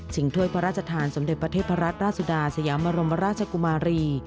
ถ้วยพระราชทานสมเด็จประเทศพระราชสุดาสยามรมราชกุมารี